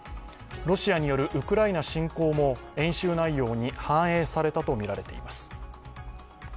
ロシアによるウクライナ侵攻も演習内容に反映されたとみられています。